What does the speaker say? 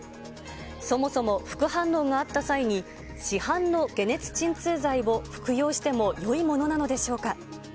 そもそも副反応があった際に、市販の解熱鎮痛剤を服用してもよいものなのでしょうか。